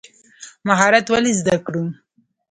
مهارت ولې زده کړو؟